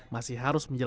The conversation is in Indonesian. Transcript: masih harus mencari